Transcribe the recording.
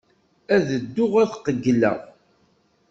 Ad dduɣ ad qeyyleɣ.